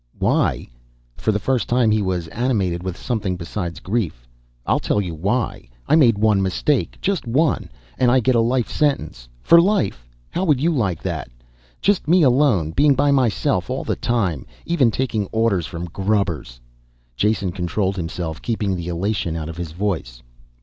"Why?" For the first time he was animated with something besides grief. "I'll tell you why! I made one mistake, just one, and I get a life sentence. For life how would you like that? Just me alone, being by myself all the time. Even taking orders from the grubbers." Jason controlled himself, keeping the elation out of his voice.